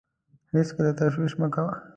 هېڅکله تشویش مه کوه .